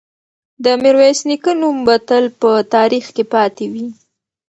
د میرویس نیکه نوم به تل په تاریخ کې پاتې وي.